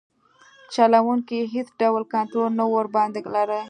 چلوونکي یې هیڅ ډول کنټرول نه ورباندې لري.